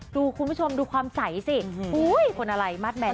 ดูคุณผู้ชมดูความใสสิคนอะไรมาสแบะ